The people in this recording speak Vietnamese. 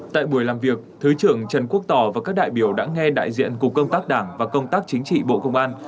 tại buổi làm việc thứ trưởng trần quốc tỏ và các đại biểu đã nghe đại diện cục công tác đảng và công tác chính trị bộ công an